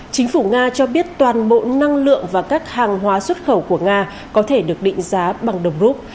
chính phủ nga cho biết toàn bộ năng lượng và các hàng hóa xuất khẩu của nga có thể được định giá bằng đồng rút